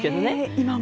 今も。